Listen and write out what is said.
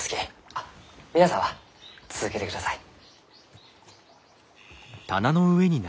あっ皆さんは続けてください。